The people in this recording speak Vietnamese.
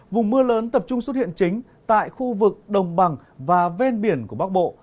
vùng mưa lớn tập trung xuất hiện chính tại khu vực đồng bằng và ven biển của bắc bộ